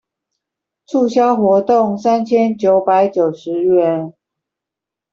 促銷活動三千九百九十元